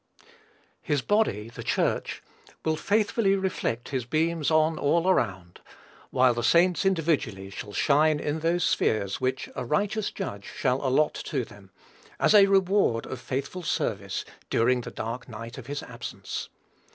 His body, the Church, will faithfully reflect his beams on all around; while the saints individually shall shine in those spheres which a righteous Judge shall allot to them, as a reward of faithful service during the dark night of his absence.